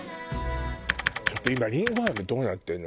ちょっと今りんご飴どうなってるの？